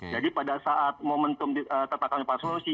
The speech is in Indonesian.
jadi pada saat momentum tertatangannya pak sanusi